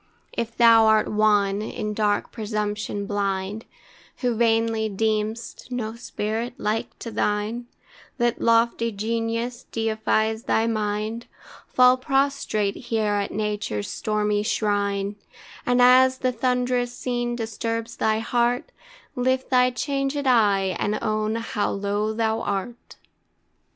If thou art one, in dark presumption blind, Who vainly deem'st no spirit like to thine, That lofty genius deifies thy mind, Fall prostrate here at Nature's stormy shrine, And as the thunderous scene disturbs thy heart, Lift thy changed eye, and own how low thou art.